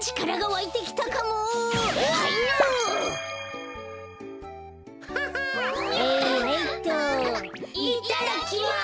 いっただきます！